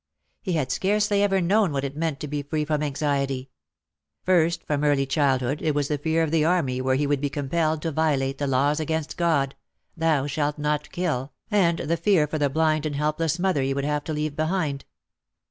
He had scarcely ever known what it meant to be free from anxiety. First, from early child hood it was the fear of the army where he would be compelled to violate the laws against God: "Thou shalt not kill" and the fear for the blind and helpless mother he would have to leave behind.